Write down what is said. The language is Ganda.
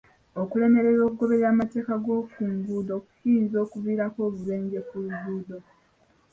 Okulemererwa okugoberera amateeka g'oku nguudo kiyinza okuviirako obubenje ku luguudo.